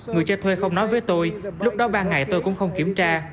người cho thuê không nói với tôi lúc đó ba ngày tôi cũng không kiểm tra